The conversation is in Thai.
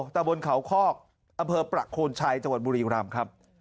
ตะบนเขาคอกอำเภอประโคนชัยจังหวัดบุรีรำครับ